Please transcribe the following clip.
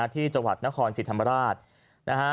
ที่จังหวัดนครศิริษฐรรมราช